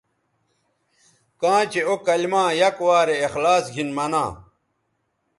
کاں چہء او کلما یک وارے اخلاص گھن منا